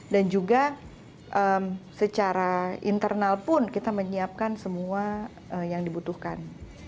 dan juga secara internal pun kita menyiapkan semua yang dibutuhkan